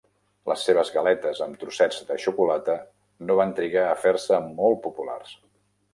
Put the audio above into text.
Les seves galetes amb trossets de xocolata no van trigar a fer-se molt populars.